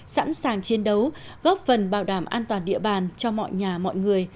sẵn sàng chiến đấu góp phần bảo đảm an toàn địa bàn cho mọi nhà mọi người